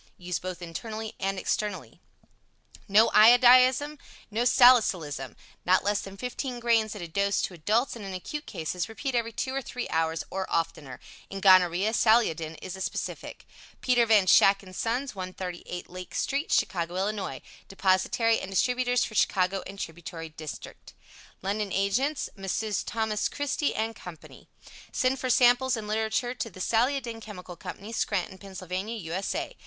Used both internally and externally. No Iodism, no Salicylism. Not less than 15 grains at a dose to adults, and in acute cases repeat every 2 or 3 hours or oftener. In gonorrhoea, Saliodin is a specific. Peter Van Schaack & Sons, 138 Lake St., Chicago, Ill. Depositary and Distributers for Chicago and tributary district. London Agents: Messrs. Thomas Christy & Company. Send for samples and literature to the Saliodin Chemical Co., Scranton, Pa., U. S. A.